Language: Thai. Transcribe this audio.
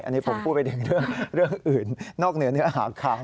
อันนี้ผมพูดไปถึงเรื่องอื่นนอกเหนือเนื้อหาข่าว